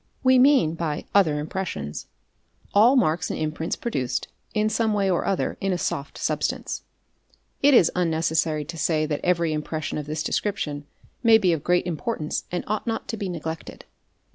We mean by " other impressions"' all marks and imprints produced, in some way or other, in a soft substance®*—*8) It is unnecessary to say that every impression of this description may be of great importance and ought not to be neglected.